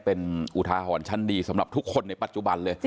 เป็นอุทาหรณ์ชั้นดีสำหรับทุกคนในปัจจุบันเลย